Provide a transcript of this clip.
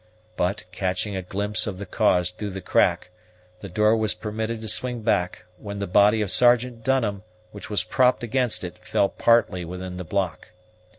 But, catching a glimpse of the cause through the crack, the door was permitted to swing back, when the body of Sergeant Dunham, which was propped against it, fell partly within the block.